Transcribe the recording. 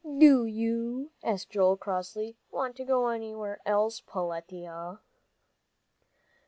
"Do you?" asked Joel, crossly. "Want to go anywheres else, Peletiah?"